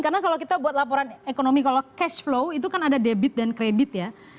karena kalau kita buat laporan ekonomi kalau cash flow itu kan ada debit dan kredit ya